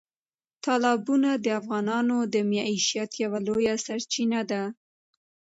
تالابونه د افغانانو د معیشت یوه لویه سرچینه ده.